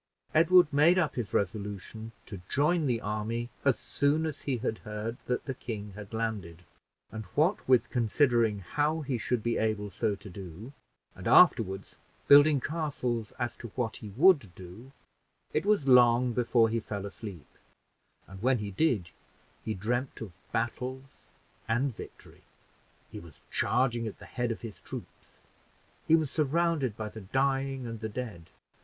Edward made up his resolution to join the army, as soon as he should hear that the king had landed; and what with considering how he should be able so to do, and afterward building castles as to what he would do, it was long before he fell asleep; and when he did he dreamed of battles and victory he was charging at the head of his troops he was surrounded by the dying and the dead.